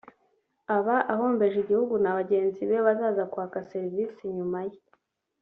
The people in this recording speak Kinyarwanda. aba ahombeje igihugu na bagenzi be bazaza kwaka serivisi nyuma ye